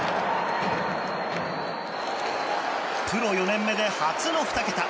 プロ４年目で初の２桁。